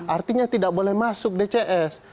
artinya tidak boleh masuk dcs